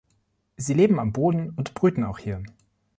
Sie leben am Boden und brüten auch hier.